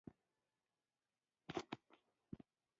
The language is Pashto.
کله چي هغه د فرګوسن د دلاسايي لپاره ورپاڅېدل.